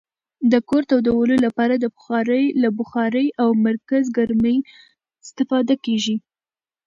د کور تودولو لپاره له بخارۍ او مرکزګرمي استفاده کیږي.